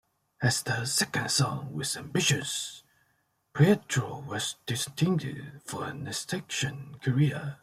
As a second son with ambitions, Pietro was destined for an ecclesiastical career.